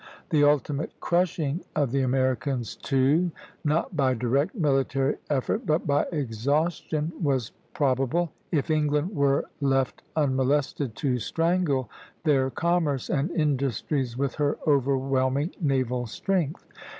The ultimate crushing of the Americans, too, not by direct military effort but by exhaustion, was probable, if England were left unmolested to strangle their commerce and industries with her overwhelming naval strength.